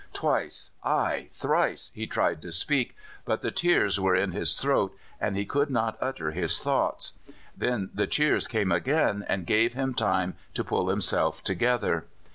Twice aye, thrice he tried to speak, but the tears were in his throat and he could not utter his thoughts. Then the cheers came again, and gave him time to pull himself together.